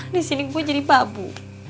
disini gue jadi babu